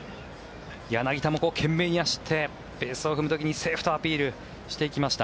柳田も懸命に走ってベースを踏む時にセーフとアピールしていきました。